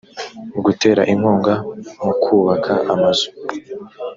gutera inkunga mu kubaka amazu